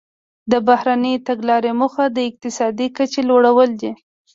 د بهرنۍ تګلارې موخه د اقتصادي کچې لوړول دي